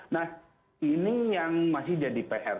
nah ini yang masih jadi pr